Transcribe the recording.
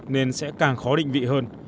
nên sẽ càng khó định vị hơn